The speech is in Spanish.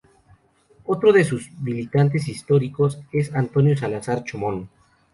Otro de sus militantes históricos es Antonio Salazar Chomón.